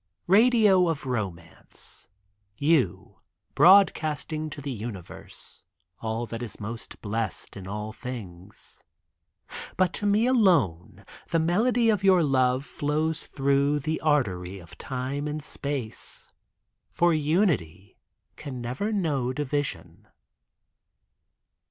Radio of romance, You Broadcasting to the universe All that is most blessed In all things, But to me alone The melody of your Love Flows through The artery Of time and Space, For unity, Can never know Division.